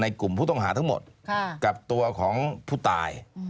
กลุ่มผู้ต้องหาทั้งหมดกับตัวของผู้ตาย